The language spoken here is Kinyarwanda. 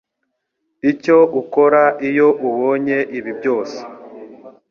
Icyo ukora iyo ubonye ibi byose